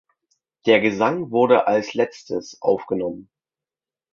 Der Gesang wurde als letztes aufgenommen.